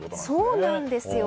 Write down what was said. そうなんですよ。